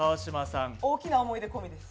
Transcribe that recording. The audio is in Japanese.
大きな思い出込みです。